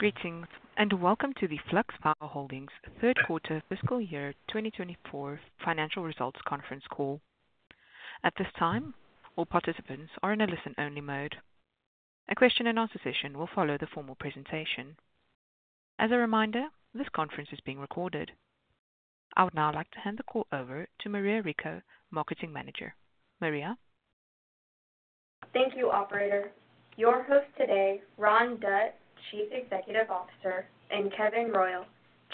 Greetings, and welcome to the Flux Power Holdings third quarter fiscal year 2024 financial results conference call. At this time, all participants are in a listen-only mode. A question-and-answer session will follow the formal presentation. As a reminder, this conference is being recorded. I would now like to hand the call over to Maria Rico, Marketing Manager. Maria? Thank you, operator. Your host today, Ron Dutt, Chief Executive Officer, and Kevin Royal,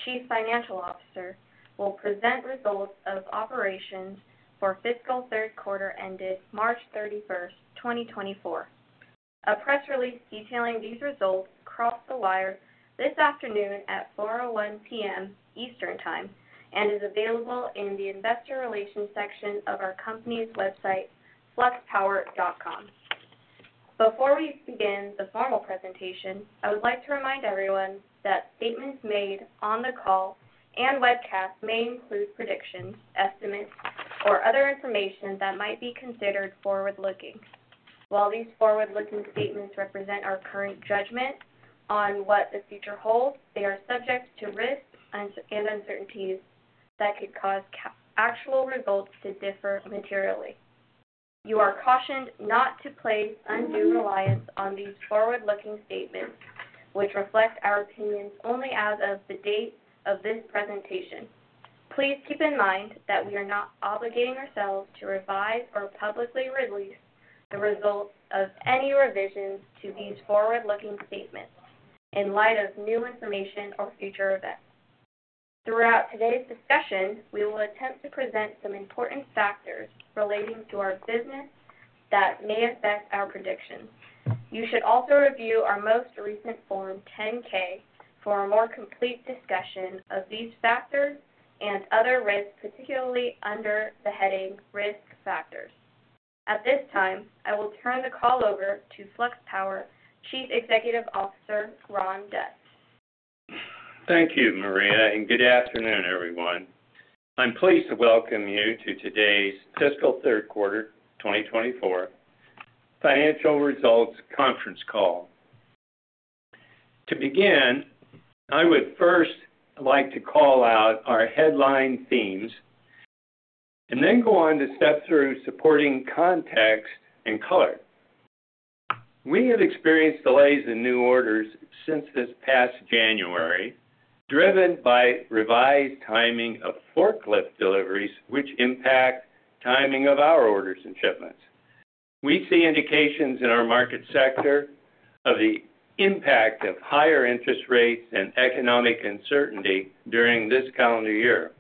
Chief Financial Officer, will present results of operations for fiscal third quarter ended March 31, 2024. A press release detailing these results crossed the wire this afternoon at 4:01 P.M. Eastern Time and is available in the investor relations section of our company's website, fluxpower.com. Before we begin the formal presentation, I would like to remind everyone that statements made on the call and webcast may include predictions, estimates, or other information that might be considered forward-looking. While these forward-looking statements represent our current judgment on what the future holds, they are subject to risks and uncertainties that could cause actual results to differ materially. You are cautioned not to place undue reliance on these forward-looking statements, which reflect our opinions only as of the date of this presentation. Please keep in mind that we are not obligating ourselves to revise or publicly release the results of any revisions to these forward-looking statements in light of new information or future events. Throughout today's discussion, we will attempt to present some important factors relating to our business that may affect our predictions. You should also review our most recent Form 10-K for a more complete discussion of these factors and other risks, particularly under the heading Risk Factors. At this time, I will turn the call over to Flux Power Chief Executive Officer, Ron Dutt. Thank you, Maria, and good afternoon, everyone. I'm pleased to welcome you to today's fiscal third quarter 2024 financial results conference call. To begin, I would first like to call out our headline themes and then go on to step through supporting context and color. We have experienced delays in new orders since this past January, driven by revised timing of forklift deliveries, which impact timing of our orders and shipments. We see indications in our market sector of the impact of higher interest rates and economic uncertainty during this calendar year.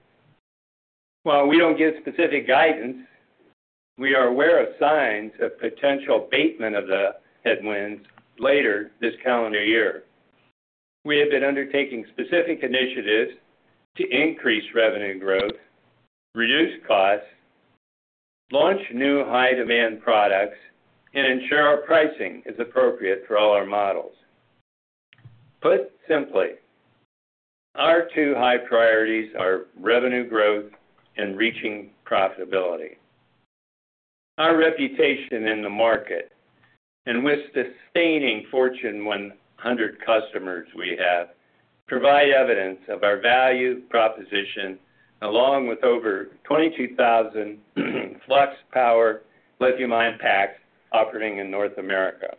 While we don't give specific guidance, we are aware of signs of potential abatement of the headwinds later this calendar year. We have been undertaking specific initiatives to increase revenue growth, reduce costs, launch new high-demand products, and ensure our pricing is appropriate for all our models. Put simply, our two high priorities are revenue growth and reaching profitability. Our reputation in the market, and with sustaining Fortune 100 customers we have, provide evidence of our value proposition, along with over 22,000 Flux Power lithium-ion packs operating in North America.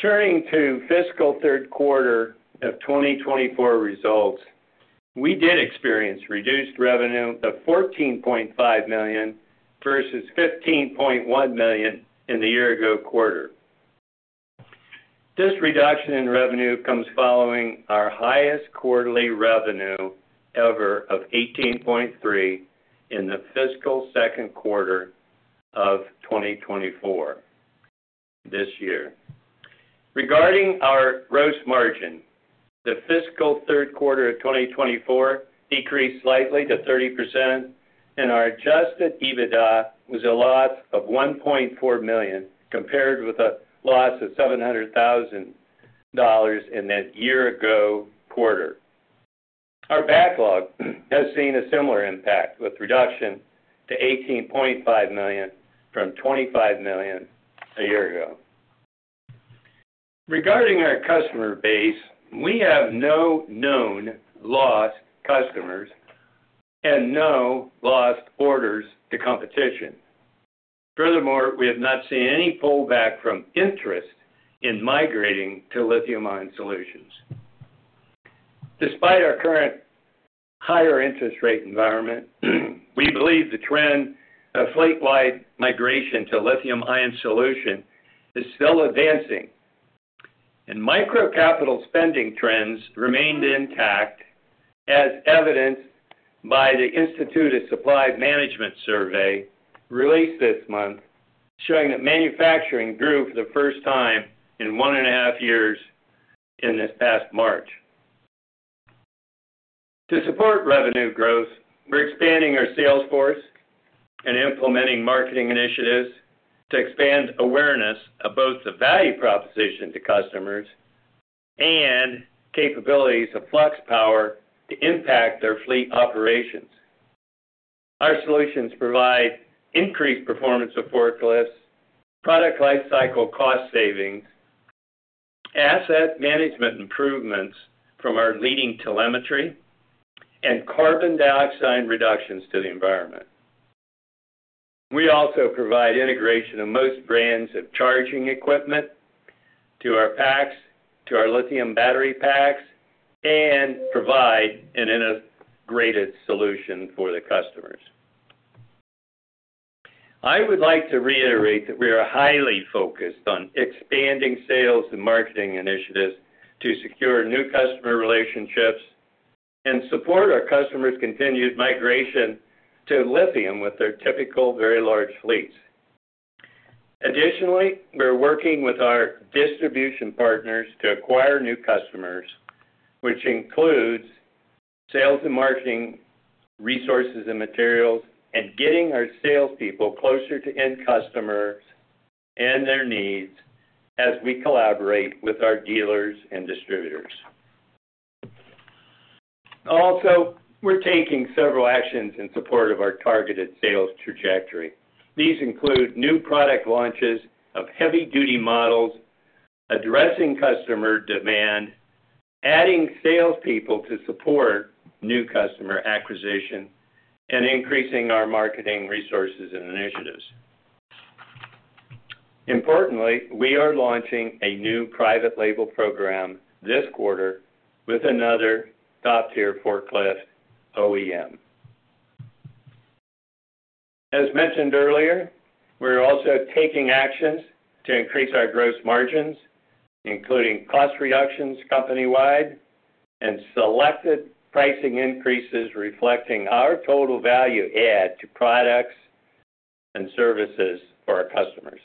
Turning to fiscal third quarter of 2024 results, we did experience reduced revenue of $14.5 million versus $15.1 million in the year-ago quarter. This reduction in revenue comes following our highest quarterly revenue ever of $18.3 million in the fiscal second quarter of 2024 this year. Regarding our gross margin, the fiscal third quarter of 2024 decreased slightly to 30%, and our Adjusted EBITDA was a loss of $1.4 million, compared with a loss of $700,000 in that year-ago quarter. Our backlog has seen a similar impact, with reduction to $18.5 million from $25 million a year ago. Regarding our customer base, we have no known lost customers and no lost orders to competition. Furthermore, we have not seen any pullback from interest in migrating to lithium-ion solutions. Despite our current higher interest rate environment, we believe the trend of fleet-wide migration to lithium-ion solution is still advancing, and macro capital spending trends remained intact, as evidenced by the Institute for Supply Management survey released this month, showing that manufacturing grew for the first time in one and a half years in this past March. To support revenue growth, we're expanding our sales force and implementing marketing initiatives to expand awareness of both the value proposition to customers and capabilities of Flux Power to impact their fleet operations. Our solutions provide increased performance of forklifts, product life cycle cost savings, asset management improvements from our leading telemetry, and carbon dioxide reductions to the environment. We also provide integration of most brands of charging equipment to our packs, to our lithium battery packs, and provide an integrated solution for the customers. I would like to reiterate that we are highly focused on expanding sales and marketing initiatives to secure new customer relationships and support our customers' continued migration to lithium with their typical very large fleets. Additionally, we're working with our distribution partners to acquire new customers, which includes sales and marketing resources and materials, and getting our salespeople closer to end customers and their needs as we collaborate with our dealers and distributors. Also, we're taking several actions in support of our targeted sales trajectory. These include new product launches of heavy-duty models, addressing customer demand, adding salespeople to support new customer acquisition, and increasing our marketing resources and initiatives. Importantly, we are launching a new private label program this quarter with another top-tier forklift OEM. As mentioned earlier, we're also taking actions to increase our gross margins, including cost reductions company-wide and selected pricing increases, reflecting our total value add to products and services for our customers.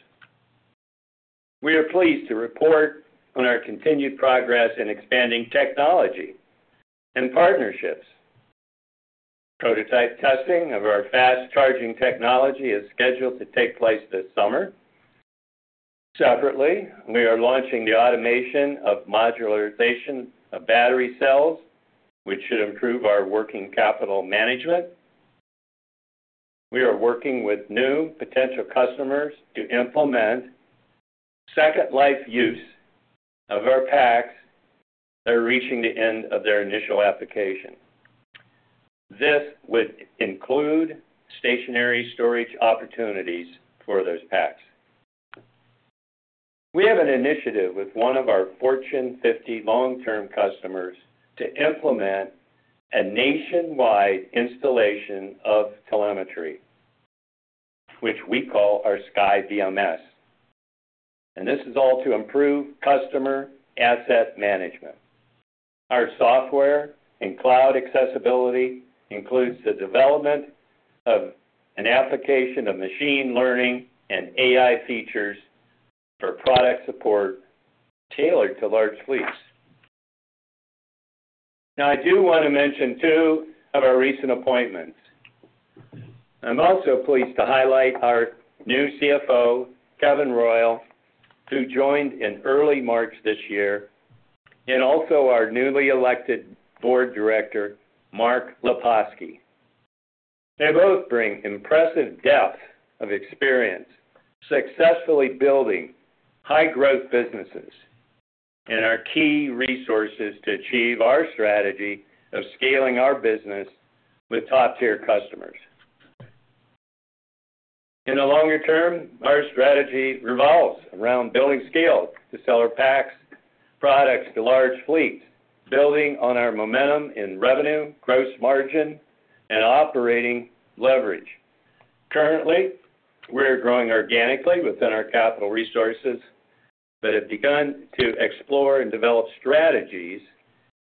We are pleased to report on our continued progress in expanding technology and partnerships. Prototype testing of our fast-charging technology is scheduled to take place this summer. Separately, we are launching the automation of modularization of battery cells, which should improve our working capital management. We are working with new potential customers to implement second-life use of our packs that are reaching the end of their initial application. This would include stationary storage opportunities for those packs. We have an initiative with one of our Fortune 50 long-term customers to implement a nationwide installation of telemetry, which we call our SkyBMS, and this is all to improve customer asset management. Our software and cloud accessibility includes the development of an application of machine learning and AI features for product support tailored to large fleets. Now, I do want to mention two of our recent appointments. I'm also pleased to highlight our new CFO, Kevin Royal, who joined in early March this year, and also our newly elected board director, Mark Leposky. They both bring impressive depth of experience, successfully building high-growth businesses and are key resources to achieve our strategy of scaling our business with top-tier customers. In the longer term, our strategy revolves around building scale to sell our packs products to large fleets, building on our momentum in revenue, gross margin, and operating leverage. Currently, we're growing organically within our capital resources, but have begun to explore and develop strategies,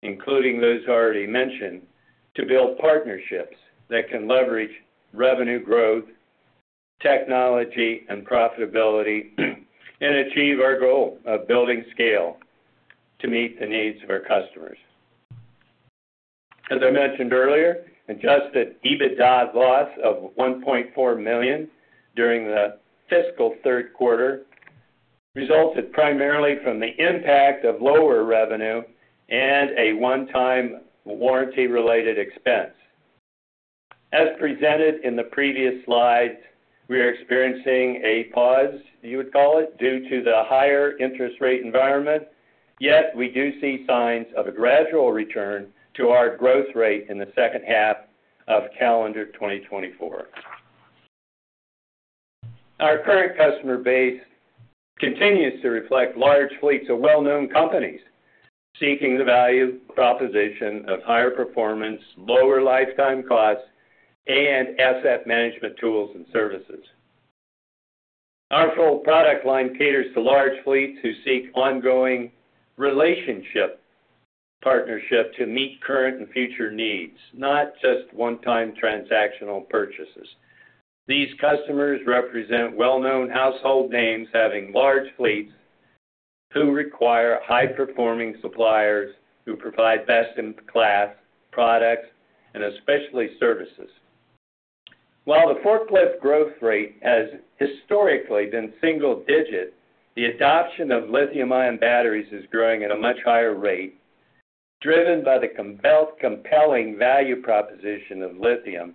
including those already mentioned, to build partnerships that can leverage revenue growth, technology, and profitability, and achieve our goal of building scale to meet the needs of our customers. As I mentioned earlier, Adjusted EBITDA loss of $1.4 million during the fiscal third quarter resulted primarily from the impact of lower revenue and a one-time warranty-related expense. As presented in the previous slide, we are experiencing a pause, you would call it, due to the higher interest rate environment, yet we do see signs of a gradual return to our growth rate in the second half of calendar 2024. Our current customer base continues to reflect large fleets of well-known companies, seeking the value proposition of higher performance, lower lifetime costs, and asset management tools and services. Our full product line caters to large fleets who seek ongoing relationship partnership to meet current and future needs, not just one-time transactional purchases. These customers represent well-known household names, having large fleets who require high-performing suppliers who provide best-in-class products and especially services. While the forklift growth rate has historically been single-digit, the adoption of lithium-ion batteries is growing at a much higher rate, driven by the compelling value proposition of lithium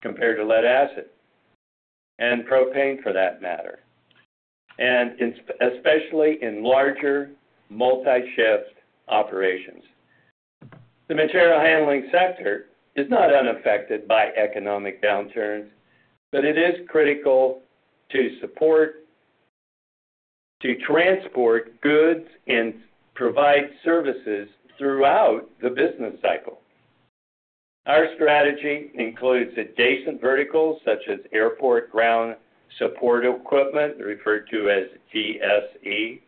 compared to lead-acid and propane, for that matter, and especially in larger multi-shift operations. The material handling sector is not unaffected by economic downturns, but it is critical to support, to transport goods, and provide services throughout the business cycle. Our strategy includes adjacent verticals, such as airport ground support equipment, referred to as GSE,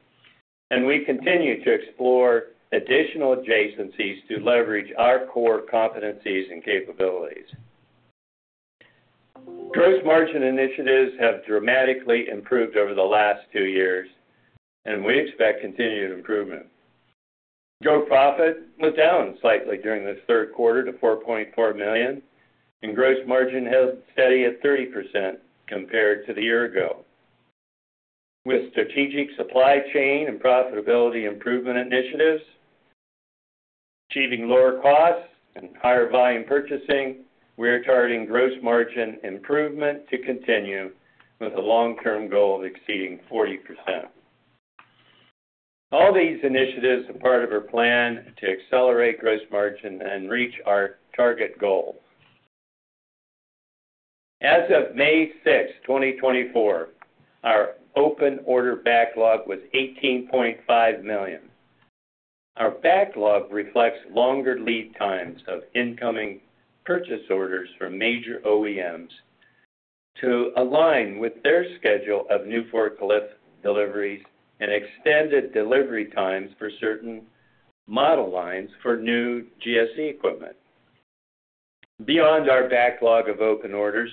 and we continue to explore additional adjacencies to leverage our core competencies and capabilities. Gross margin initiatives have dramatically improved over the last two years, and we expect continued improvement. Gross profit was down slightly during this third quarter to $4.4 million, and gross margin held steady at 30% compared to the year-ago. With strategic supply chain and profitability improvement initiatives, achieving lower costs and higher volume purchasing, we are targeting gross margin improvement to continue with a long-term goal of exceeding 40%. All these initiatives are part of our plan to accelerate gross margin and reach our target goal. As of May sixth, 2024, our open order backlog was $18.5 million. Our backlog reflects longer lead times of incoming purchase orders from major OEMs to align with their schedule of new forklift deliveries and extended delivery times for certain model lines for new GSE equipment. Beyond our backlog of open orders,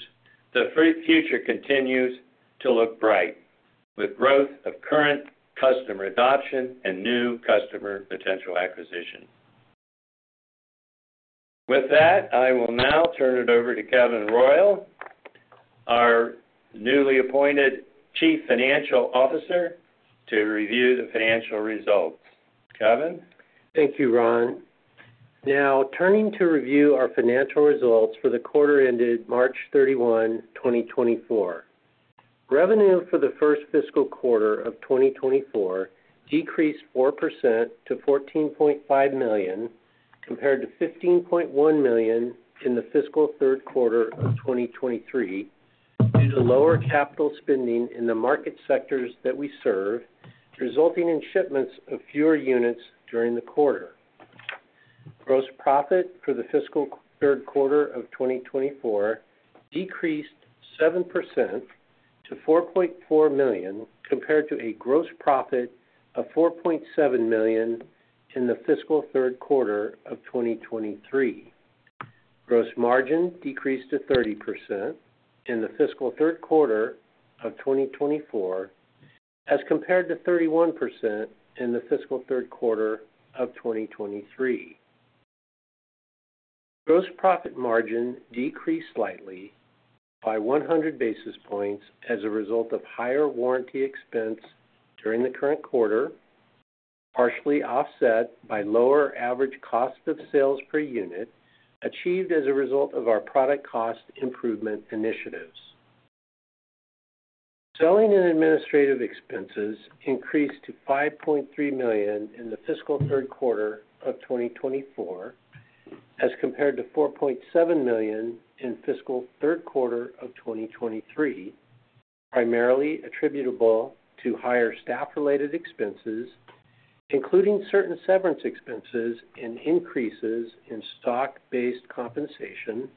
the future continues to look bright, with growth of current customer adoption and new customer potential acquisition. With that, I will now turn it over to Kevin Royal, our newly appointed Chief Financial Officer, to review the financial results. Kevin? Thank you, Ron. Now, turning to review our financial results for the quarter ended March 31, 2024. Revenue for the first fiscal quarter of 2024 decreased 4% to $14.5 million, compared to $15.1 million in the fiscal third quarter of 2023, due to lower capital spending in the market sectors that we serve, resulting in shipments of fewer units during the quarter. Gross profit for the fiscal third quarter of 2024 decreased 7% to $4.4 million, compared to a gross profit of $4.7 million in the fiscal third quarter of 2023. Gross margin decreased to 30% in the fiscal third quarter of 2024, as compared to 31% in the fiscal third quarter of 2023. Gross profit margin decreased slightly by 100 basis points as a result of higher warranty expense during the current quarter, partially offset by lower average cost of sales per unit, achieved as a result of our product cost improvement initiatives. Selling and administrative expenses increased to $5.3 million in the fiscal third quarter of 2024, as compared to $4.7 million in fiscal third quarter of 2023, primarily attributable to higher staff-related expenses, including certain severance expenses and increases in stock-based compensation,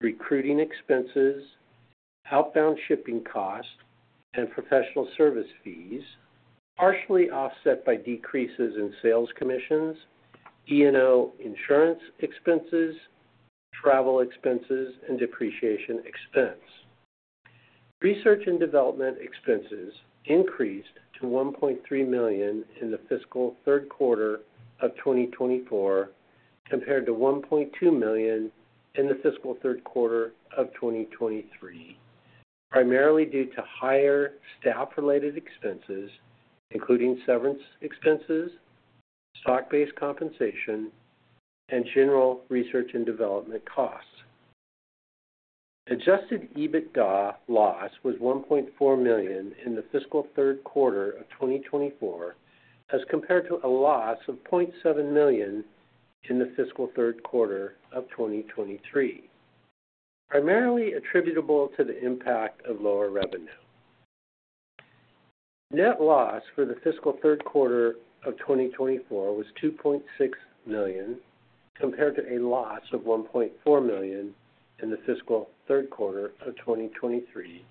recruiting expenses, outbound shipping costs, and professional service fees, partially offset by decreases in sales commissions, E&O insurance expenses, travel expenses, and depreciation expense. Research and development expenses increased to $1.3 million in the fiscal third quarter of 2024, compared to $1.2 million in the fiscal third quarter of 2023, primarily due to higher staff-related expenses, including severance expenses, stock-based compensation, and general research and development costs. Adjusted EBITDA loss was $1.4 million in the fiscal third quarter of 2024, as compared to a loss of $0.7 million in the fiscal third quarter of 2023, primarily attributable to the impact of lower revenue. Net loss for the fiscal third quarter of 2024 was $2.6 million, compared to a loss of $1.4 million in the fiscal third quarter of 2023,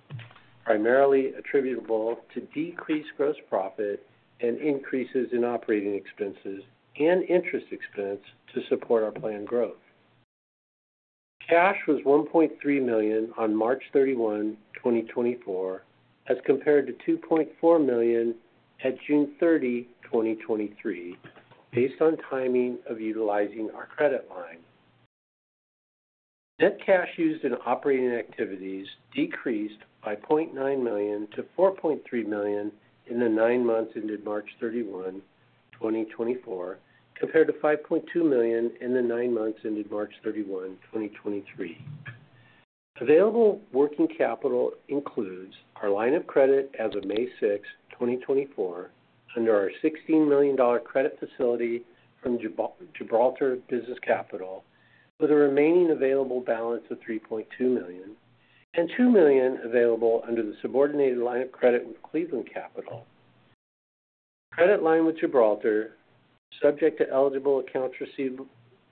primarily attributable to decreased gross profit and increases in operating expenses and interest expense to support our planned growth. Cash was $1.3 million on March 31, 2024, as compared to $2.4 million at June 30, 2023, based on timing of utilizing our credit line. Net cash used in operating activities decreased by $0.9 million to $4.3 million in the nine months ended March 31, 2024, compared to $5.2 million in the nine months ended March 31, 2023. Available working capital includes our line of credit as of May 6, 2024, under our $16 million credit facility from Gibraltar Business Capital, with a remaining available balance of $3.2 million and $2 million available under the subordinated line of credit with Cleveland Capital. Credit line with Gibraltar, subject to eligible accounts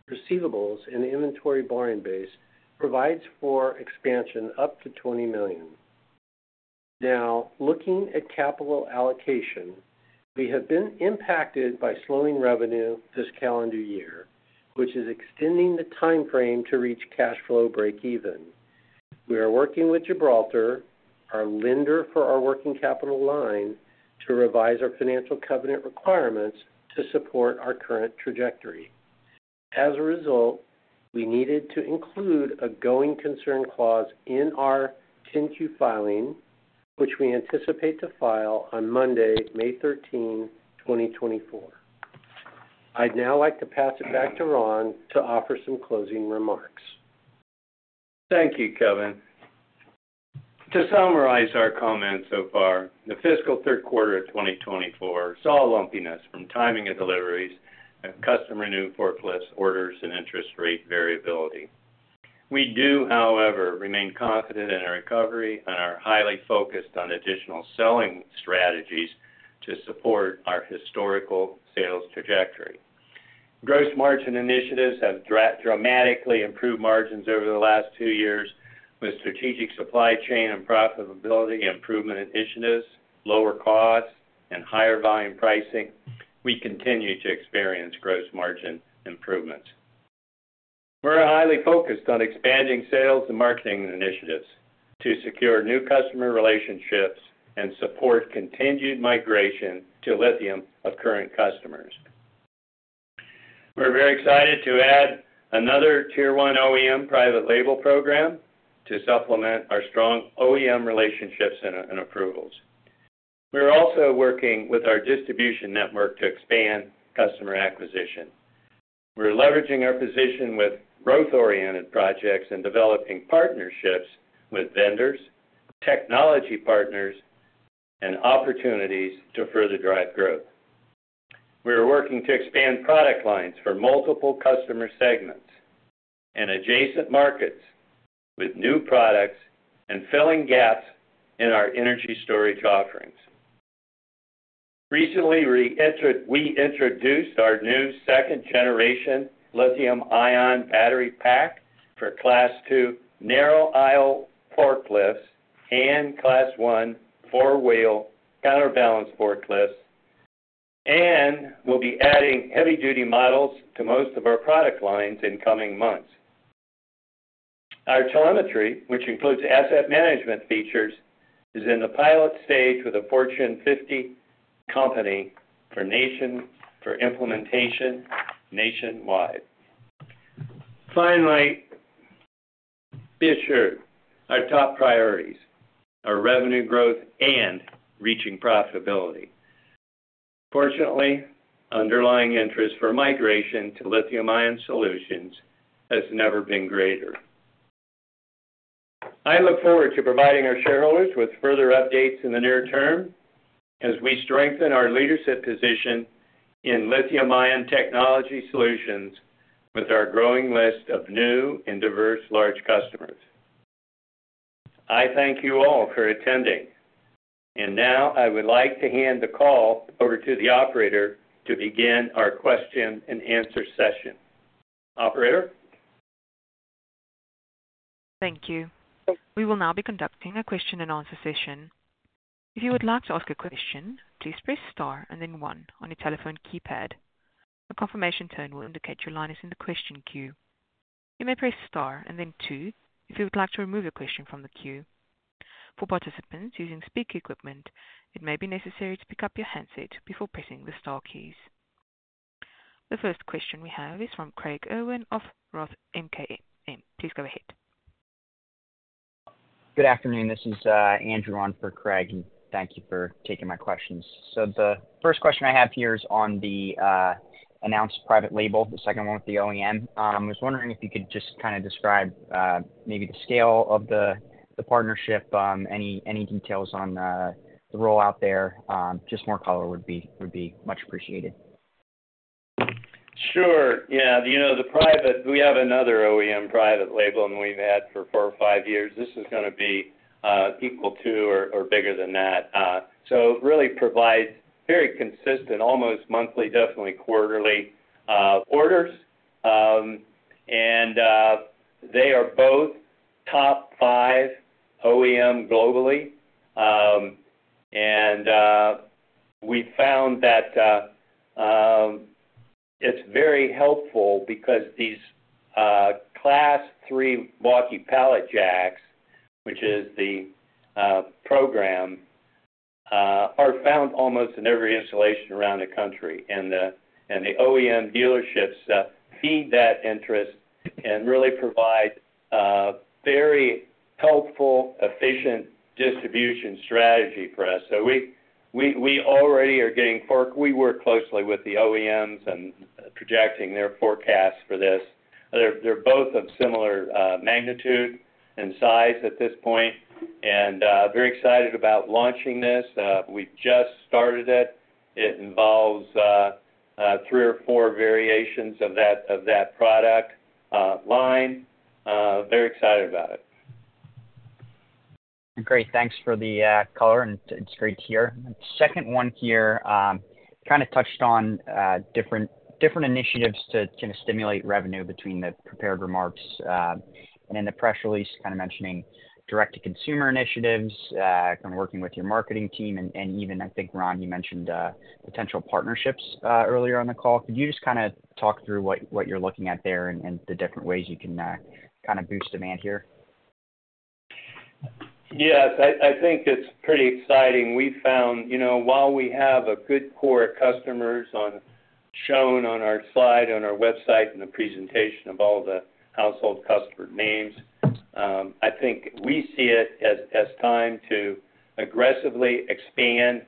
receivables and inventory borrowing base, provides for expansion up to $20 million. Now, looking at capital allocation, we have been impacted by slowing revenue this calendar year, which is extending the time frame to reach cash flow breakeven. We are working with Gibraltar, our lender for our working capital line, to revise our financial covenant requirements to support our current trajectory. As a result, we needed to include a going concern clause in our 10-Q filing, which we anticipate to file on Monday, May 13, 2024. I'd now like to pass it back to Ron to offer some closing remarks. Thank you, Kevin. To summarize our comments so far, the fiscal third quarter of 2024 saw lumpiness from timing of deliveries and customer new forklift orders and interest rate variability. We do, however, remain confident in our recovery and are highly focused on additional selling strategies to support our historical sales trajectory. Gross margin initiatives have dramatically improved margins over the last two years, with strategic supply chain and profitability improvement initiatives, lower costs, and higher volume pricing. We continue to experience gross margin improvements. We're highly focused on expanding sales and marketing initiatives to secure new customer relationships and support contingent migration to lithium of current customers. We're very excited to add another Tier One OEM private label program to supplement our strong OEM relationships and approvals. We are also working with our distribution network to expand customer acquisition. We're leveraging our position with growth-oriented projects and developing partnerships with vendors, technology partners, and opportunities to further drive growth. We are working to expand product lines for multiple customer segments and adjacent markets with new products and filling gaps in our energy storage offerings. Recently, we introduced our new second-generation lithium-ion battery pack for Class Two narrow aisle forklifts and Class One four-wheel counterbalance forklifts, and we'll be adding heavy-duty models to most of our product lines in coming months. Our telemetry, which includes asset management features, is in the pilot stage with a Fortune 50 company for implementation nationwide. Finally, be assured, our top priorities are revenue growth and reaching profitability. Fortunately, underlying interest for migration to lithium-ion solutions has never been greater. I look forward to providing our shareholders with further updates in the near term as we strengthen our leadership position in lithium-ion technology solutions with our growing list of new and diverse large customers. I thank you all for attending. And now I would like to hand the call over to the operator to begin our question-and-answer session. Operator? Thank you. We will now be conducting a question-and-answer session. If you would like to ask a question, please press Star and then one on your telephone keypad. A confirmation tone will indicate your line is in the question queue. You may press Star and then two if you would like to remove your question from the queue. For participants using speaker equipment, it may be necessary to pick up your handset before pressing the star keys. The first question we have is from Craig Irwin of Roth MKM. Please go ahead. Good afternoon. This is Andrew on for Craig, and thank you for taking my questions. So the first question I have here is on the announced private label, the second one with the OEM. I was wondering if you could just kind of describe maybe the scale of the partnership, any details on the rollout there. Just more color would be much appreciated. Sure. Yeah, you know, we have another OEM private label, and we've had for 4 or 5 years. This is gonna be equal to or bigger than that. So it really provides very consistent, almost monthly, definitely quarterly orders. And they are both top 5 OEM globally. And we found that it's very helpful because these Class Three walkie pallet jacks, which is the program, are found almost in every installation around the country, and the OEM dealerships feed that interest and really provide a very helpful, efficient distribution strategy for us. So we already are getting fork. We work closely with the OEMs and projecting their forecasts for this. They're both of similar magnitude and size at this point, and very excited about launching this. We've just started it. It involves three or four variations of that product line. Very excited about it. Great, thanks for the, color, and it's great to hear. Second one here, kind of touched on, different initiatives to kinda stimulate revenue between the prepared remarks, and in the press release, kind of mentioning direct-to-consumer initiatives, kind of working with your marketing team, and even I think, Ron, you mentioned, potential partnerships, earlier on the call. Could you just kinda talk through what you're looking at there and, the different ways you can, kind of boost demand here? Yes, I think it's pretty exciting. We found, you know, while we have a good core of customers shown on our slide, on our website, and the presentation of all the household customer names, I think we see it as time to aggressively expand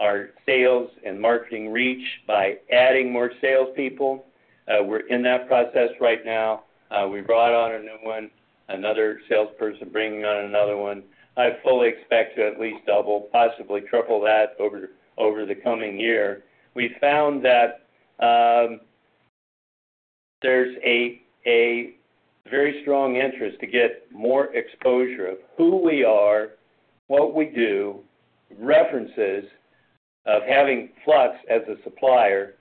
our sales and marketing reach by adding more salespeople. We're in that process right now. We brought on a new one, another salesperson, bringing on another one. I fully expect to at least double, possibly triple that over the coming year. We found that there's a very strong interest to get more exposure of who we are, what we do, references of having Flux as a supplier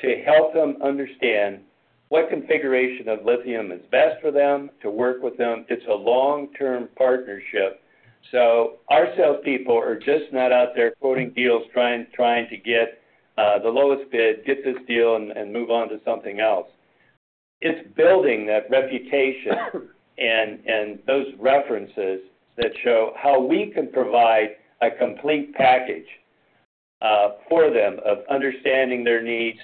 to help them understand what configuration of lithium is best for them to work with them. It's a long-term partnership. So our salespeople are just not out there quoting deals, trying, trying to get, the lowest bid, get this deal and, and move on to something else. It's building that reputation and, and those references that show how we can provide a complete package, for them of understanding their needs,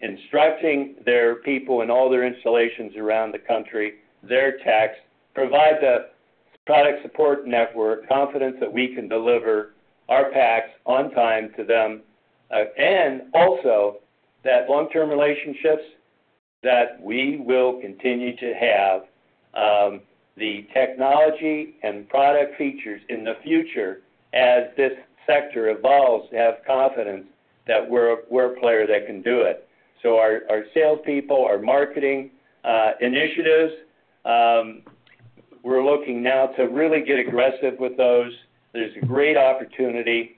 instructing their people in all their installations around the country, their techs, provide the product support network, confidence that we can deliver our packs on time to them, and also that long-term relationships, that we will continue to have, the technology and product features in the future as this sector evolves, to have confidence that we're, we're a player that can do it. So our, our salespeople, our marketing, initiatives, we're looking now to really get aggressive with those. There's a great opportunity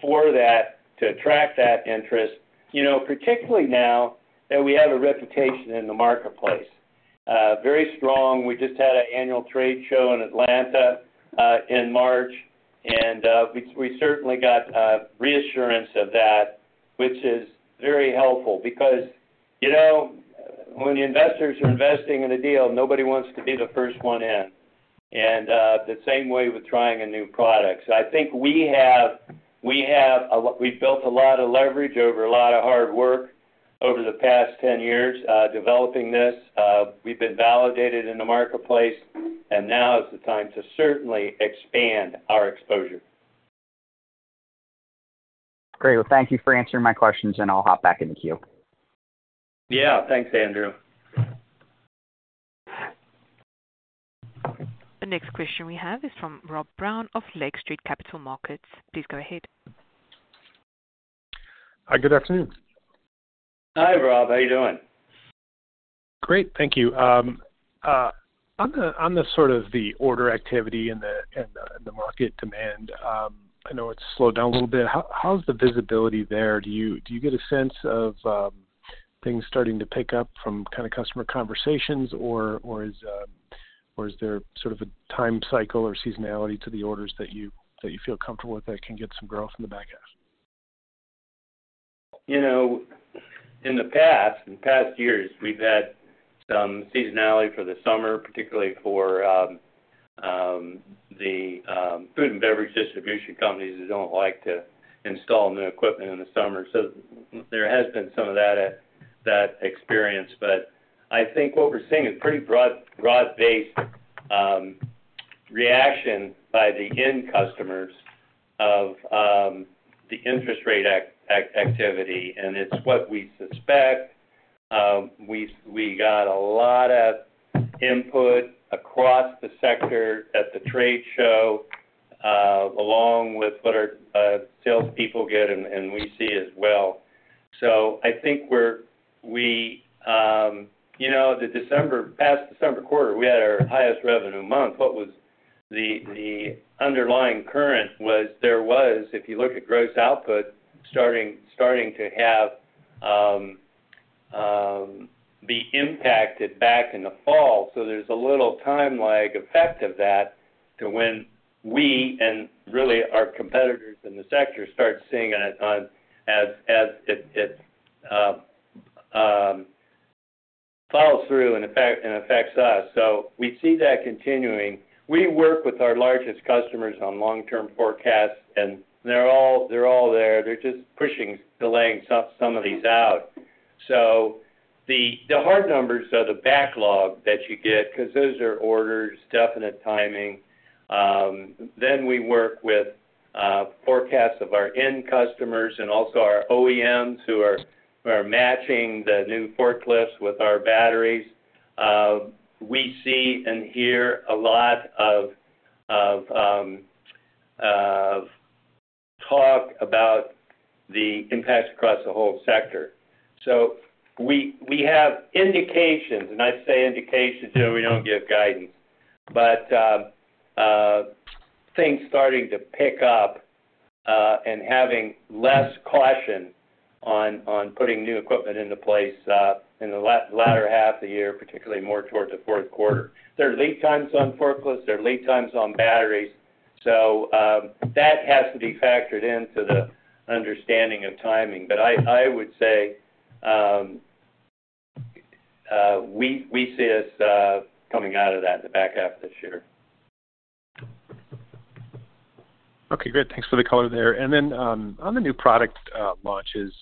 for that to attract that interest, you know, particularly now that we have a reputation in the marketplace. Very strong. We just had an annual trade show in Atlanta in March, and we certainly got reassurance of that, which is very helpful because, you know, when investors are investing in a deal, nobody wants to be the first one in, and the same way with trying a new product. So I think we have a-- we've built a lot of leverage over a lot of hard work over the past 10 years developing this. We've been validated in the marketplace, and now is the time to certainly expand our exposure. Great. Well, thank you for answering my questions, and I'll hop back in the queue. Yeah. Thanks, Andrew. The next question we have is from Rob Brown of Lake Street Capital Markets. Please go ahead. Hi, good afternoon. Hi, Rob. How you doing? Great, thank you. On the sort of order activity and the market demand, I know it's slowed down a little bit. How's the visibility there? Do you get a sense of things starting to pick up from kind of customer conversations, or is there sort of a time cycle or seasonality to the orders that you feel comfortable with that can get some growth in the back half? You know, in the past, in past years, we've had some seasonality for the summer, particularly for the food and beverage distribution companies who don't like to install new equipment in the summer. So there has been some of that, that experience. But I think what we're seeing is pretty broad, broad-based reaction by the end customers of the interest rate activity, and it's what we suspect. We got a lot of input across the sector at the trade show, along with what our salespeople get and we see as well. So I think we're, you know, the past December quarter, we had our highest revenue month. What was the underlying current was there was, if you look at gross output, starting to have be impacted back in the fall. So there's a little time lag effect of that to when we and really our competitors in the sector start seeing it as it follows through and affects us. So we see that continuing. We work with our largest customers on long-term forecasts, and they're all, they're all there. They're just pushing, delaying some, some of these out. So the hard numbers, though, the backlog that you get, 'cause those are orders, definite timing, then we work with forecasts of our end customers and also our OEMs, who are matching the new forklifts with our batteries. We see and hear a lot of talk about the impact across the whole sector. So we have indications, and I say indications, Joe, we don't give guidance. But things starting to pick up, and having less caution on, on putting new equipment into place, in the latter half of the year, particularly more towards the fourth quarter. There are lead times on forklifts, there are lead times on batteries, so that has to be factored into the understanding of timing. But I, I would say, we, we see us coming out of that in the back half of this year. Okay, great. Thanks for the color there. And then, on the new product launches,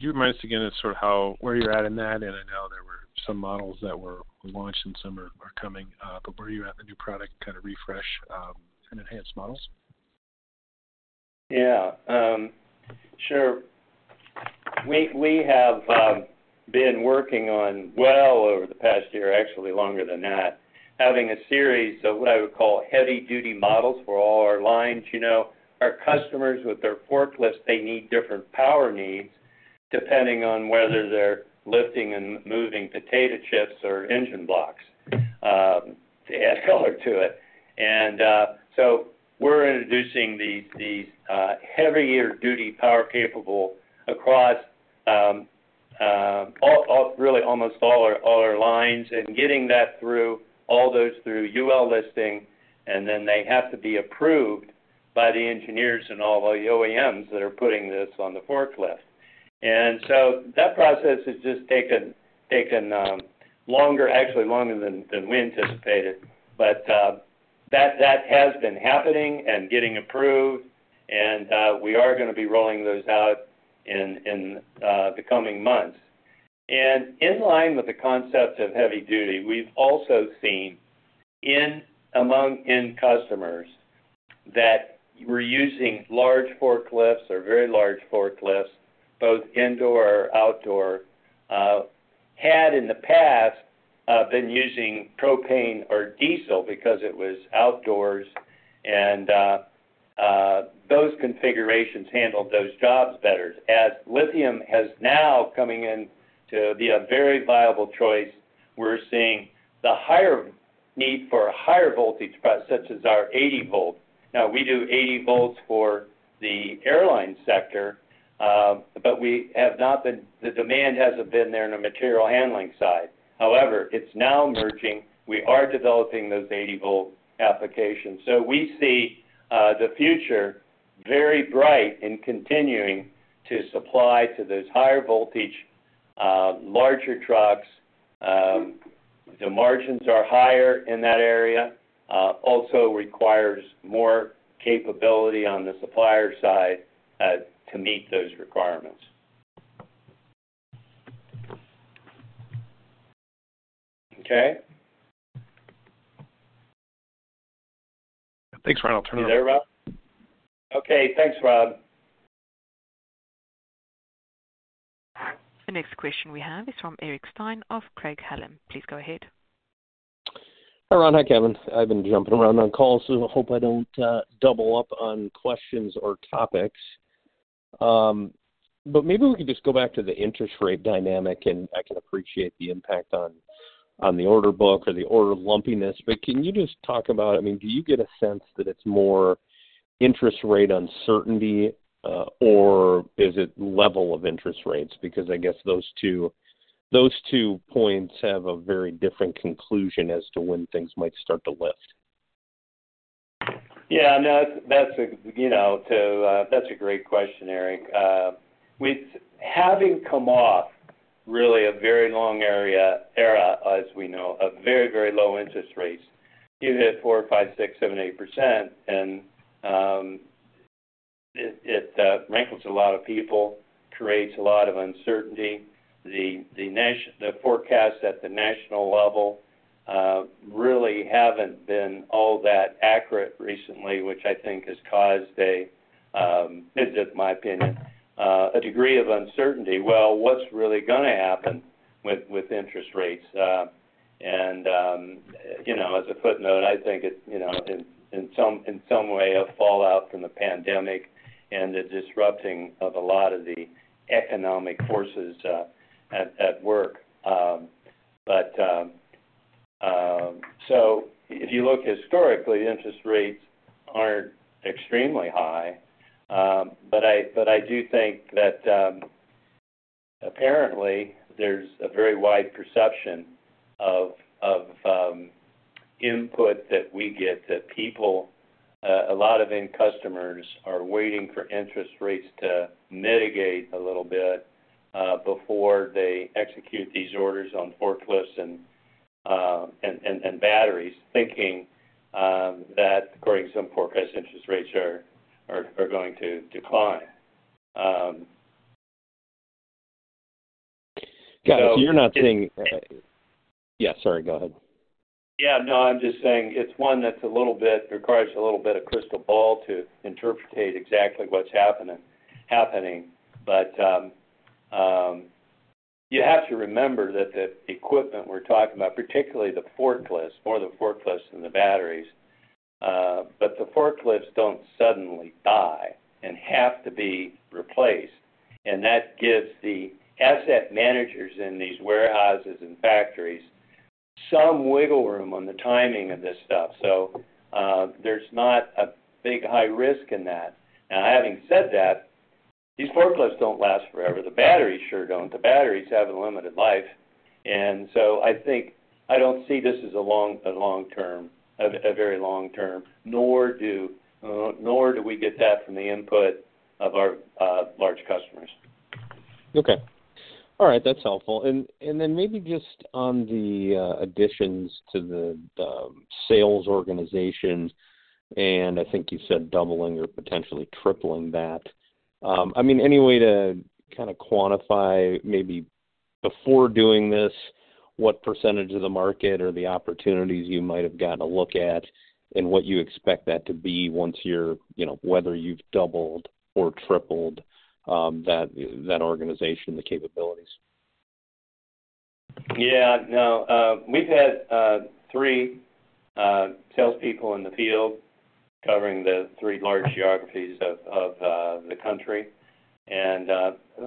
could you remind us again of sort of how, where you're at in that? I know there were some models that were launched, and some are coming, but where are you at in the new product kind of refresh, and enhanced models? Yeah, sure. We have been working on well over the past year, actually longer than that, having a series of what I would call heavy-duty models for all our lines. You know, our customers with their forklifts, they need different power needs, depending on whether they're lifting and moving potato chips or engine blocks, to add color to it. And so we're introducing these heavier-duty, power-capable across all, really almost all our lines, and getting that through UL Listing, and then they have to be approved by the engineers and all the OEMs that are putting this on the forklift. And so that process has just taken longer, actually longer than we anticipated. But, that, that has been happening and getting approved, and, we are gonna be rolling those out in, in, the coming months. And in line with the concept of heavy duty, we've also seen in, among end customers, that we're using large forklifts or very large forklifts, both indoor or outdoor, had in the past, been using propane or diesel because it was outdoors and, those configurations handled those jobs better. As lithium has now coming in to be a very viable choice, we're seeing the higher need for a higher voltage, such as our 80-volt. Now, we do 80 volts for the airline sector, but we have not been—the demand hasn't been there in the material handling side. However, it's now emerging. We are developing those 80-volt applications. So we see the future very bright in continuing to supply to those higher voltage, larger trucks. The margins are higher in that area, also requires more capability on the supplier side, to meet those requirements. Okay? Thanks, Ron. I'll turn it over. You there, Rob? Okay. Thanks, Rob. The next question we have is from Eric Stine of Craig-Hallum. Please go ahead. Hi, Ron. Hi, Kevin. I've been jumping around on calls, so I hope I don't double up on questions or topics. But maybe we can just go back to the interest rate dynamic, and I can appreciate the impact on, on the order book or the order lumpiness. But can you just talk about, I mean, do you get a sense that it's more interest rate uncertainty, or is it level of interest rates? Because I guess those two, those two points have a very different conclusion as to when things might start to lift. Yeah, no, that's a, you know, that's a great question, Erik. With having come off really a very long era, as we know, of very, very low interest rates, you hit 4, 5, 6, 7, 8%, and it rankles a lot of people, creates a lot of uncertainty. The forecasts at the national level really haven't been all that accurate recently, which I think has caused a, it's just my opinion, a degree of uncertainty. Well, what's really gonna happen with interest rates? And you know, as a footnote, I think it's you know in some way a fallout from the pandemic and the disrupting of a lot of the economic forces at work. But if you look historically, interest rates aren't extremely high, but I do think that apparently there's a very wide perception of input that we get, that people, a lot of end customers are waiting for interest rates to mitigate a little bit before they execute these orders on forklifts and batteries, thinking that according to some forecasts, interest rates are going to decline. So- Got it. So you're not saying? Yeah, sorry, go ahead. Yeah, no, I'm just saying it's one that's a little bit requires a little bit of crystal ball to interpret exactly what's happening. But you have to remember that the equipment we're talking about, particularly the forklifts, more the forklifts than the batteries, but the forklifts don't suddenly die and have to be replaced, and that gives the asset managers in these warehouses and factories some wiggle room on the timing of this stuff. So there's not a big high risk in that. Now, having said that, these forklifts don't last forever. The batteries sure don't. The batteries have a limited life, and so I think I don't see this as a long term, a very long term, nor do we get that from the input of our large customers. Okay. All right, that's helpful. And then maybe just on the additions to the sales organization, and I think you said doubling or potentially tripling that. I mean, any way to kinda quantify, maybe before doing this, what percentage of the market or the opportunities you might have gotten a look at, and what you expect that to be once you're, you know, whether you've doubled or tripled that organization, the capabilities? Yeah. No, we've had three salespeople in the field covering the three large geographies of the country, and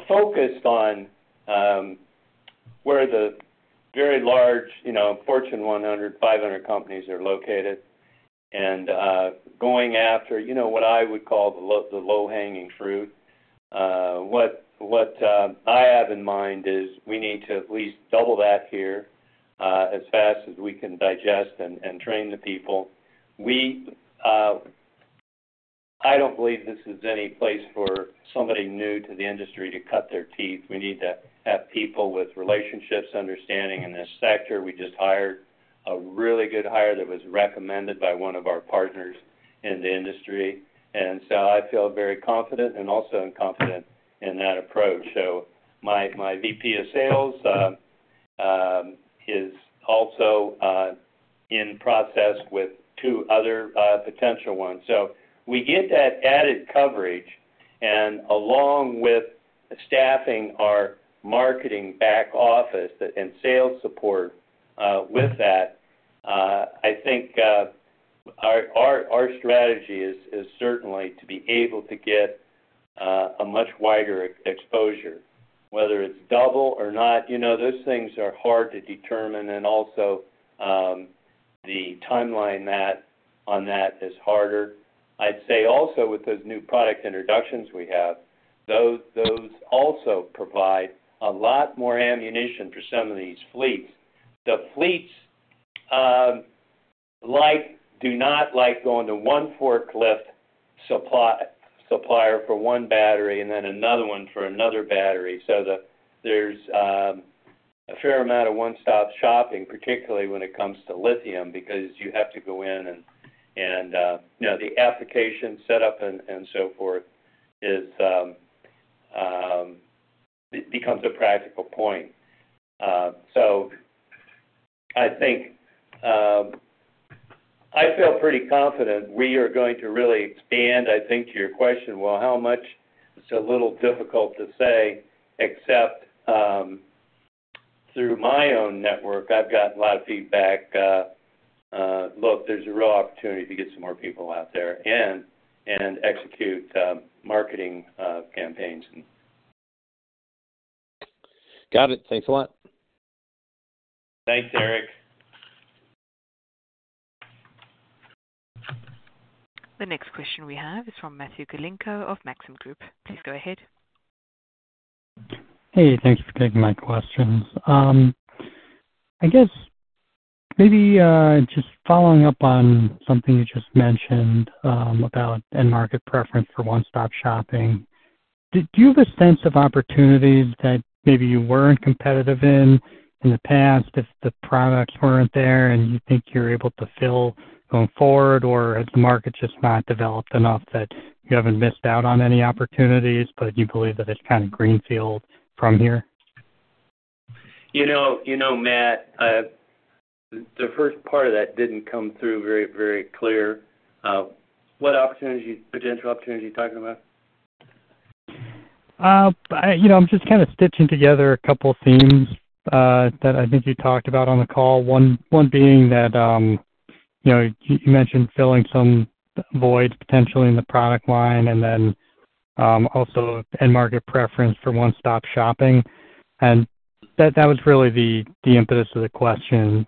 focused on where the very large, you know, Fortune 100, 500 companies are located. And going after, you know, what I would call the low-hanging fruit. What I have in mind is we need to at least double that here, as fast as we can digest and train the people. I don't believe this is any place for somebody new to the industry to cut their teeth. We need to have people with relationships, understanding in this sector. We just hired a really good hire that was recommended by one of our partners in the industry, and so I feel very confident and also confident in that approach. So my VP of sales is also in process with two other potential ones. So we get that added coverage, and along with staffing our marketing back office and sales support with that, I think our strategy is certainly to be able to get a much wider exposure, whether it's double or not, you know, those things are hard to determine, and also the timeline that on that is harder. I'd say also, with those new product introductions we have, those also provide a lot more ammunition for some of these fleets. The fleets like do not like going to one forklift supplier for one battery and then another one for another battery. So there's a fair amount of one-stop shopping, particularly when it comes to lithium, because you have to go in and, you know, the application setup and so forth is becomes a practical point. So I think, I feel pretty confident we are going to really expand. I think to your question, well, how much? It's a little difficult to say, except, through my own network, I've gotten a lot of feedback. Look, there's a real opportunity to get some more people out there and execute marketing campaigns. Got it. Thanks a lot. Thanks, Eric. The next question we have is from Matthew Galinko of Maxim Group. Please go ahead. Hey, thanks for taking my questions. I guess maybe just following up on something you just mentioned about end market preference for one-stop shopping. Did you have a sense of opportunities that maybe you weren't competitive in, in the past if the products weren't there, and you think you're able to fill going forward? Or is the market just not developed enough that you haven't missed out on any opportunities, but you believe that it's kind of greenfield from here? You know, you know, Matt, the first part of that didn't come through very, very clear. What opportunity, potential opportunity are you talking about? You know, I'm just kind of stitching together a couple of themes that I think you talked about on the call. One being that, you know, you mentioned filling some voids potentially in the product line and then, also end market preference for one-stop shopping. And that was really the impetus of the question,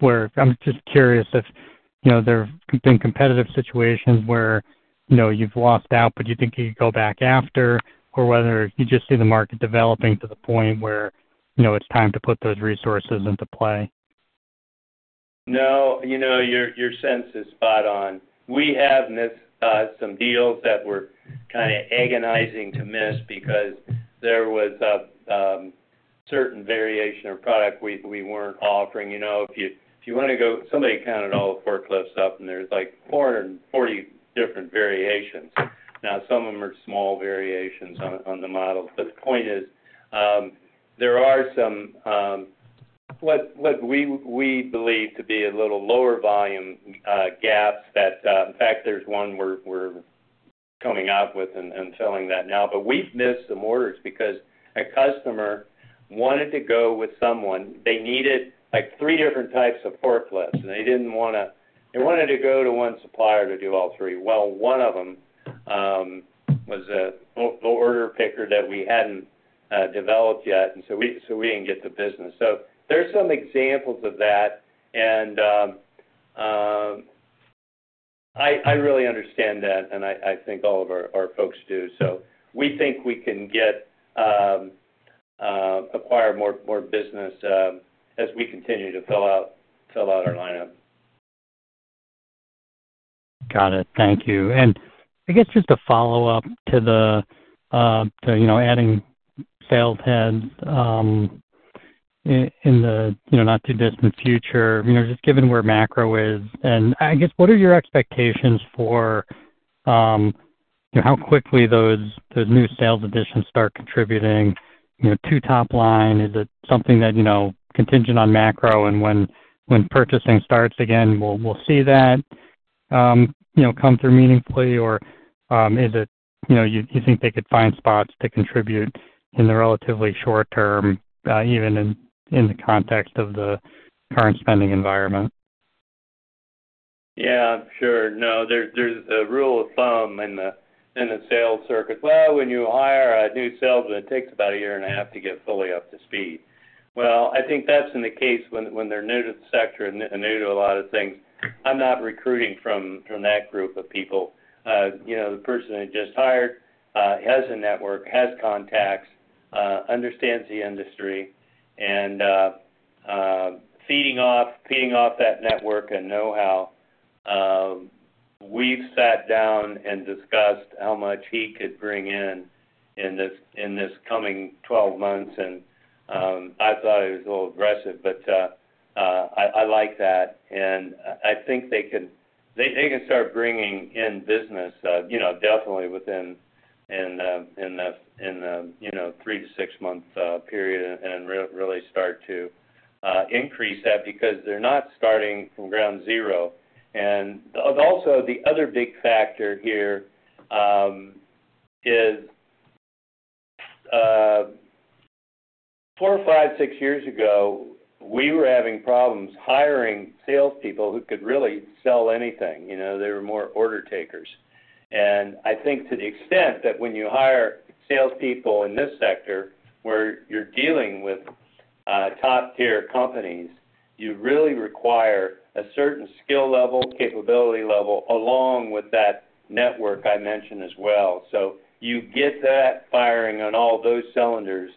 where I'm just curious, you know, there have been competitive situations where, you know, you've lost out, but you think you could go back after, or whether you just see the market developing to the point where, you know, it's time to put those resources into play? No, you know, your sense is spot on. We have missed some deals that were kind of agonizing to miss because there was a certain variation of product we weren't offering. You know, if you want to go, somebody counted all the forklifts up, and there's, like, 440 different variations. Now, some of them are small variations on the model. But the point is, there are some what we believe to be a little lower volume gaps that, in fact, there's one we're coming out with and selling that now. But we've missed some orders because a customer wanted to go with someone. They needed, like, three different types of forklifts, and they didn't wanna. They wanted to go to one supplier to do all three. Well, one of them was a order picker that we hadn't developed yet, and so we didn't get the business. So there are some examples of that, and I really understand that, and I think all of our folks do. So we think we can acquire more business as we continue to fill out our lineup. Got it. Thank you. And I guess just a follow-up to the, you know, adding sales heads, in the, you know, not too distant future, you know, just given where macro is, and I guess, what are your expectations for, you know, how quickly those new sales additions start contributing, you know, to top line? Is it something that, you know, contingent on macro and when purchasing starts again, we'll see that, you know, come through meaningfully? Or, is it, you know, you think they could find spots to contribute in the relatively short term, even in the context of the current spending environment? Yeah, sure. No, there's a rule of thumb in the sales circuit. Well, when you hire a new salesman, it takes about a year and a half to get fully up to speed. Well, I think that's in the case when they're new to the sector and new to a lot of things. I'm not recruiting from that group of people. You know, the person I just hired has a network, has contacts, understands the industry, and feeding off that network and know-how, we've sat down and discussed how much he could bring in in this coming 12 months, and I thought it was a little aggressive, but I like that, and I think they could... They can start bringing in business, you know, definitely within a three- to six-month period, and then really start to increase that because they're not starting from ground zero. And also, the other big factor here is four, five, six years ago, we were having problems hiring salespeople who could really sell anything. You know, they were more order takers. And I think to the extent that when you hire salespeople in this sector, where you're dealing with top-tier companies, you really require a certain skill level, capability level, along with that network I mentioned as well. So you get that firing on all those cylinders,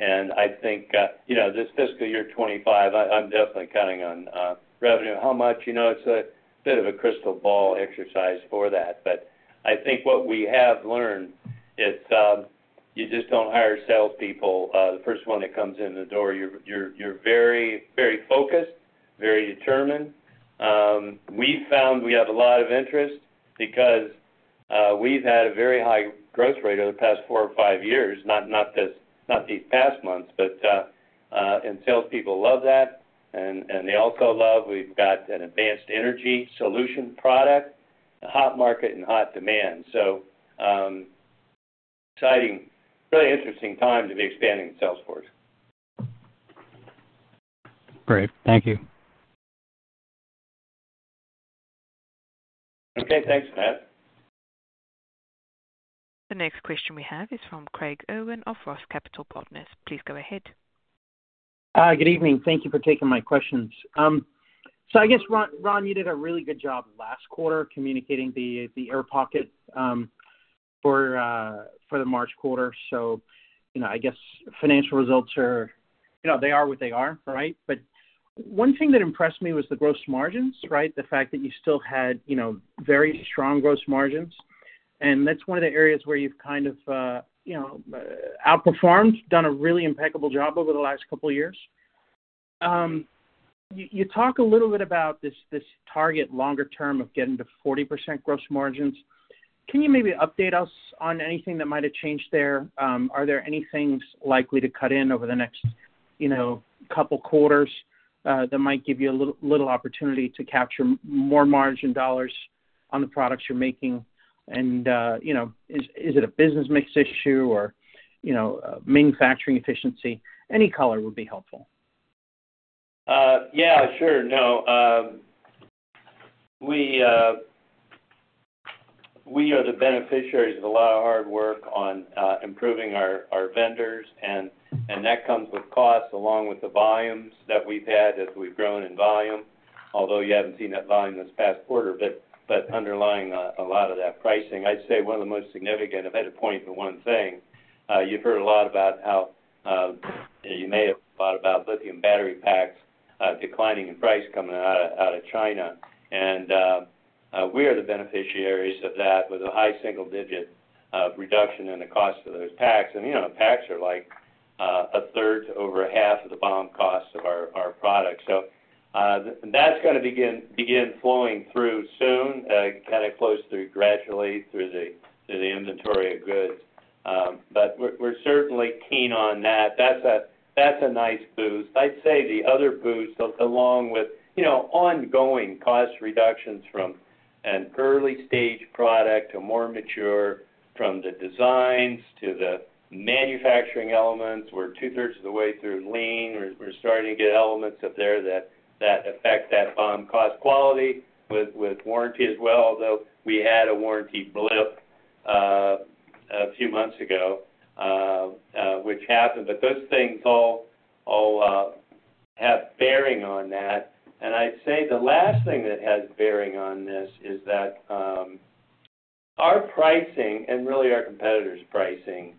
and I think, you know, this fiscal year 25, I'm definitely counting on revenue. How much? You know, it's a bit of a crystal ball exercise for that. But I think what we have learned is, you just don't hire salespeople, the first one that comes in the door. You're very, very focused, very determined. We found we have a lot of interest because, we've had a very high growth rate over the past four or five years, not this, not these past months, but, and salespeople love that, and they also love we've got an advanced energy solution product, a hot market, and hot demand. So, exciting, really interesting time to be expanding the sales force. Great. Thank you. Okay. Thanks, Matt. The next question we have is from Craig Irwin of Roth Capital Partners. Please go ahead. Good evening. Thank you for taking my questions. So I guess, Ron, you did a really good job last quarter communicating the air pocket for the March quarter. So, you know, I guess financial results are, you know, they are what they are, right? But one thing that impressed me was the gross margins, right? The fact that you still had, you know, very strong gross margins, and that's one of the areas where you've kind of, you know, outperformed, done a really impeccable job over the last couple of years. You talk a little bit about this target longer term of getting to 40% gross margins. Can you maybe update us on anything that might have changed there? Are there any things likely to cut in over the next, you know, couple quarters that might give you a little opportunity to capture more margin dollars on the products you're making? And, you know, is it a business mix issue or, you know, manufacturing efficiency? Any color would be helpful. Yeah, sure. No, we, you know, the beneficiaries of a lot of hard work on improving our vendors, and that comes with costs, along with the volumes that we've had as we've grown in volume. Although you haven't seen that volume this past quarter, underlying a lot of that pricing, I'd say one of the most significant, if I had to point to one thing, you've heard a lot about how you may have thought about lithium battery packs declining in price, coming out of China. And we are the beneficiaries of that, with a high single-digit reduction in the cost of those packs. And you know, packs are like a third to over a half of the BOM costs of our products. So, that's gonna begin flowing through soon, kinda flows through gradually through the inventory of goods. But we're certainly keen on that. That's a nice boost. I'd say the other boost, along with, you know, ongoing cost reductions from an early stage product to more mature, from the designs to the manufacturing elements. We're two-thirds of the way through Lean. We're starting to get elements up there that affect that BOM cost quality, with warranty as well, although we had a warranty blip a few months ago, which happened. But those things all have bearing on that. And I'd say the last thing that has bearing on this is that, our pricing, and really our competitors' pricing,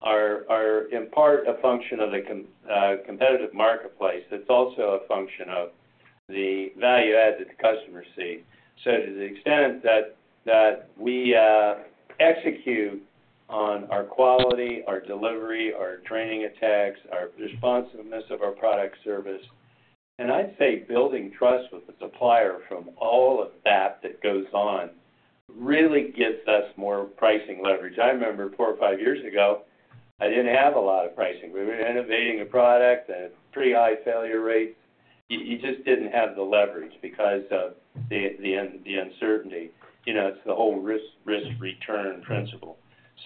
are in part a function of the competitive marketplace. It's also a function of the value add that the customers see. So to the extent that, that we execute on our quality, our delivery, our training, our tech support, our responsiveness of our product service, and I'd say building trust with the supplier from all of that that goes on, really gets us more pricing leverage. I remember four or five years ago, I didn't have a lot of pricing. We were innovating a product that had pretty high failure rates. You, you just didn't have the leverage because of the, the uncertainty. You know, it's the whole risk-return principle.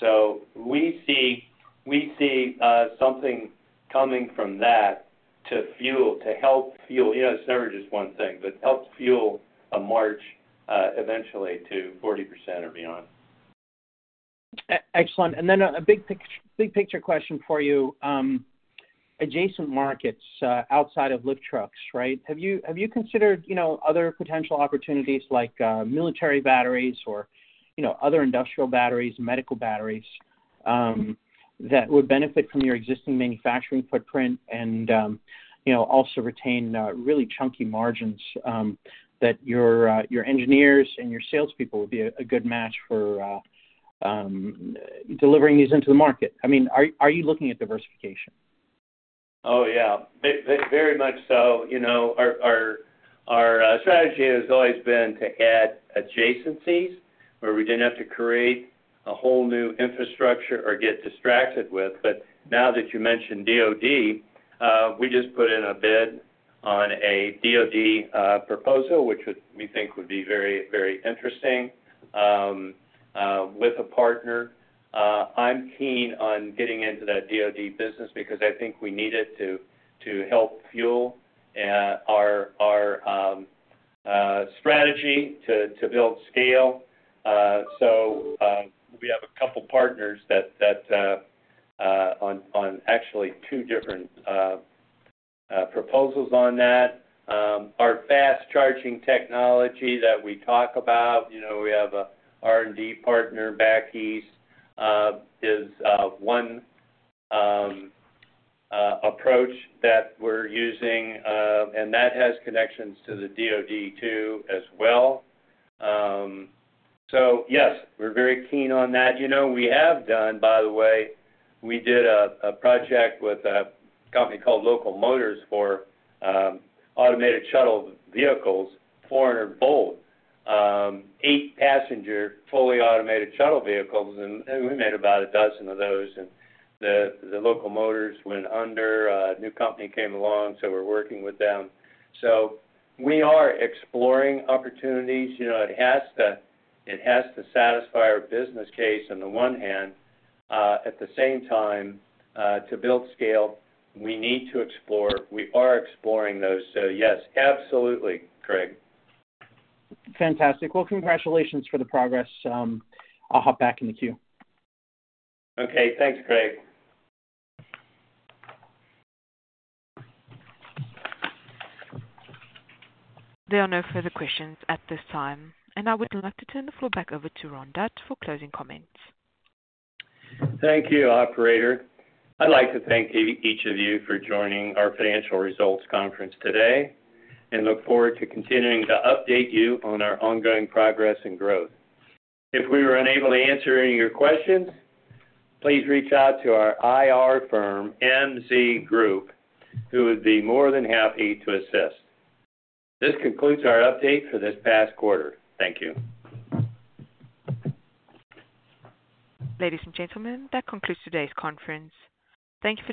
So we see, we see, something coming from that to fuel, to help fuel... You know, it's never just one thing, but help fuel a march, eventually to 40% or beyond. Excellent. And then a big picture question for you. Adjacent markets outside of lift trucks, right? Have you considered, you know, other potential opportunities like military batteries or, you know, other industrial batteries, medical batteries that would benefit from your existing manufacturing footprint and, you know, also retain really chunky margins that your engineers and your salespeople would be a good match for delivering these into the market? I mean, are you looking at diversification? Oh, yeah, very much so. You know, our strategy has always been to add adjacencies where we didn't have to create a whole new infrastructure or get distracted with. But now that you mention DoD, we just put in a bid on a DoD proposal, which would, we think, be very, very interesting with a partner. I'm keen on getting into that DoD business because I think we need it to help fuel our strategy to build scale. So, we have a couple partners that on actually two different proposals on that. Our fast charging technology that we talk about, you know, we have a R&D partner back east, is one approach that we're using, and that has connections to the DoD too, as well. So yes, we're very keen on that. You know, we have done, by the way, we did a project with a company called Local Motors for automated shuttle vehicles, 400-volt, 8-passenger, fully automated shuttle vehicles, and we made about 12 of those. And Local Motors went under, a new company came along, so we're working with them. So we are exploring opportunities. You know, it has to satisfy our business case on the one hand, at the same time, to build scale, we need to explore. We are exploring those, so yes, absolutely, Craig. Fantastic. Well, congratulations for the progress. I'll hop back in the queue. Okay. Thanks, Craig. There are no further questions at this time, and I would like to turn the floor back over to Ron Dutt for closing comments. Thank you, operator. I'd like to thank each of you for joining our financial results conference today, and look forward to continuing to update you on our ongoing progress and growth. If we were unable to answer any of your questions, please reach out to our IR firm, MZ Group, who would be more than happy to assist. This concludes our update for this past quarter. Thank you. Ladies and gentlemen, that concludes today's conference. Thank you.